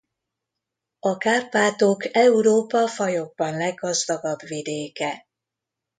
A Kárpátok Európa fajokban leggazdagabb vidéke.